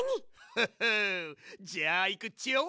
フッフじゃあいくっちよ？